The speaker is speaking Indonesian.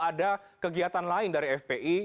ada kegiatan lain dari fpi